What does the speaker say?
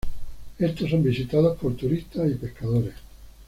Estos son visitados por turistas y pescadores.